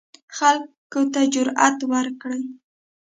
خلکو ته جرئت ورکړي